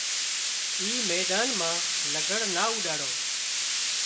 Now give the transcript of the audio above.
اي ميدان مان لگھڙ نا اوڏاڙو